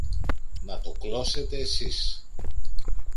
Να το κλώσετε σεις!